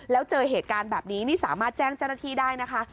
แล้วเจอเหตุการณ์แบบนี้นี่สามารถแจ้งเจ้าหน้าที่ได้นะคะ